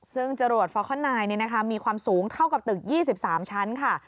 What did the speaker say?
ซึ่งจรวดฟอร์คอนไนท์มีความสูงเท่ากับตึก๒๓ชั้นค่ะ